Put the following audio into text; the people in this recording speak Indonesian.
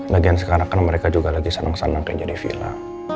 lagian sekarang kan mereka juga lagi senang senang kerja di villa